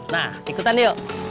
nah ikutan yuk